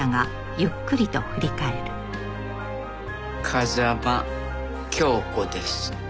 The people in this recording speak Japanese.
風間匡子です。